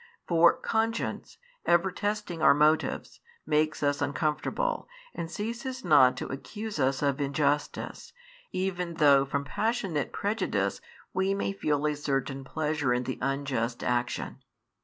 For, conscience, ever testing our motives, makes us uncomfortable, and ceases not to accuse us of injustice, even though from passionate prejudice we may feel a certain pleasure in the unjust action.